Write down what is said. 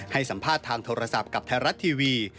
ให้สัมภาษณ์ทางโทรศัพท์กับไทยรัฐทีวี